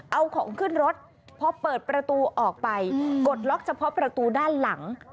เอาของขึ้นรถพอเปิดประตูออกไปกดล็อกเฉพาะประตูด้านหลัง